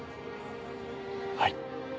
はい。